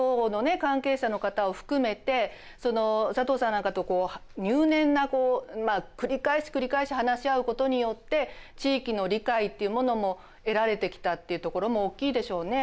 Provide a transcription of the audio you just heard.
関係者の方を含めてその佐藤さんなんかとこう入念なこう繰り返し繰り返し話し合うことによって地域の理解っていうものも得られてきたっていうところも大きいでしょうね。